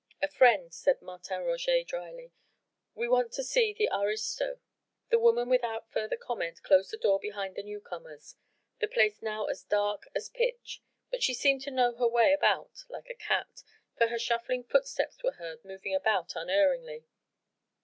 "A friend," said Martin Roget drily. "We want to see the aristo." The woman without further comment closed the door behind the new comers. The place now was as dark as pitch, but she seemed to know her way about like a cat, for her shuffling footsteps were heard moving about unerringly.